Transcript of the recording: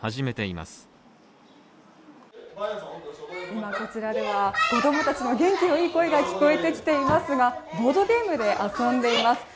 今こちらでは子供たちの元気の良い声が聞こえてきていますが、ボードゲームで遊んでいます。